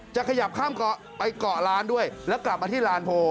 จะขยับข้ามเกาะไปเกาะร้านด้วยแล้วกลับมาที่ลานโพล